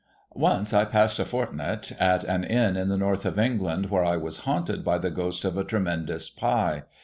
Once I passed a fortnight at an Inn in the North of England, where I was haunted by the ghost of a tremendous pie.